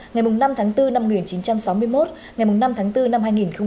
ngày năm tháng bốn năm một nghìn chín trăm sáu mươi một ngày năm tháng bốn năm hai nghìn hai mươi